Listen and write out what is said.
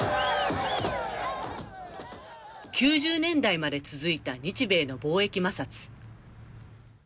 ９０年代まで続いた日米の貿易摩擦。